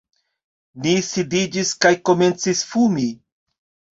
Ni sidiĝis kaj komencis fumi.